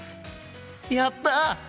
やった！